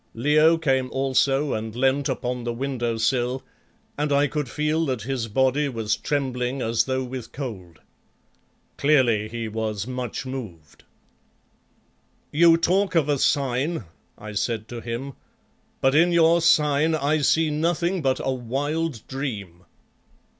Leo came also and leant upon the window sill, and I could feel that his body was trembling as though with cold. Clearly he was much moved. "You talk of a sign," I said to him, "but in your sign I see nothing but a wild dream."